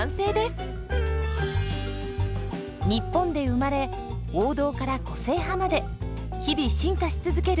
日本で生まれ王道から個性派まで日々進化し続けるカレーパン。